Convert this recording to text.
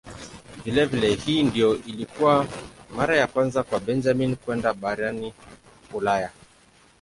Vilevile hii ndiyo ilikuwa mara ya kwanza kwa Benjamin kwenda barani Ulaya.